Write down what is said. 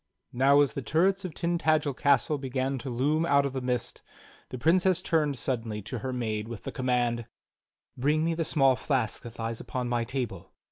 Now, as the turrets of Tintagel castle began to loom out of the mist, the Princess turned suddenly to her maid with the command : "Bring me the small flask that lies upon my table."